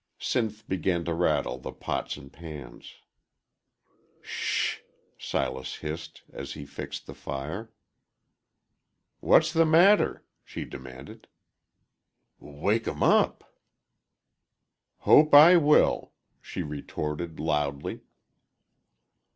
Sinth began to rattle the pots and pans. "Sh h!" Silas hissed, as he fixed the fire. "What's the matter?" she demanded. "W wake 'em up." "Hope I will," she retorted, loudly.